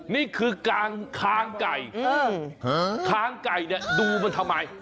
นี่คือค้างไก่ค้างไก่เนี่ยดูมันทำไม